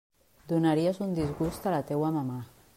Donaries un disgust a la teua mamà.